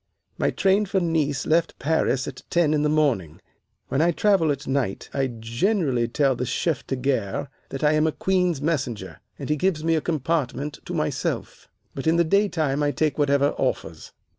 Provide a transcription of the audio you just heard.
"My train for Nice left Paris at ten in the morning. When I travel at night I generally tell the chef de gare that I am a Queen's Messenger, and he gives me a compartment to myself, but in the daytime I take whatever offers.